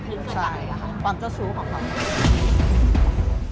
ความเจ้าชู้ของเค้า